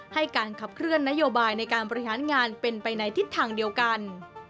ให้การขับเคลื่อนนโยบายในการบริหารงานเป็นไปในทิศทางเดียวกัน